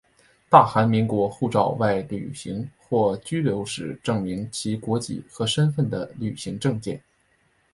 大韩民国护照外旅行或居留时证明其国籍和身份的旅行证件。